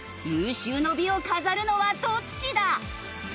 有終の美を飾るのはどっちだ！？